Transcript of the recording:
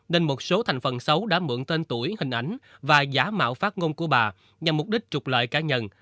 nên một số thành phần xấu đã mượn tên tuổi hình ảnh và giả mạo phát ngôn của bà nhằm mục đích trục lợi cá nhân